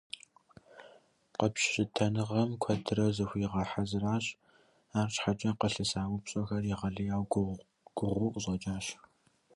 Къэпщытэныгъэм куэдрэ зыхуигъэхьэзыращ, арщхьэкӀэ къылъыса упщӀэхэр егъэлеяуэ гугъуу къыщӀэкӀащ.